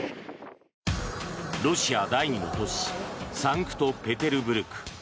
ロシア第２の都市サンクトペテルブルク。